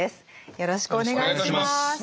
よろしくお願いします。